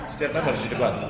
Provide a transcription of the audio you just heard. setiap tahun harus di depan